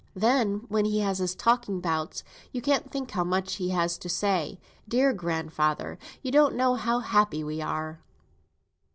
Then, when he has his talking bouts, you can't think how much he has to say. Dear grandfather! you don't know how happy we are!"